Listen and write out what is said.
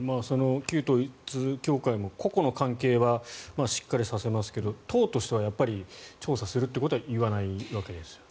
旧統一教会も個々の関係はしっかりさせますけど党としては調査するということは言わないわけですよね。